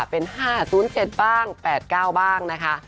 เป็น๕๐๗บ้าง๘๙บ้างนะคะ